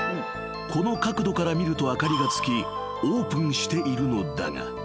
［この角度から見ると明かりがつきオープンしているのだが］